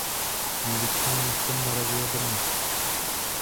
Největším městem Moravy je Brno.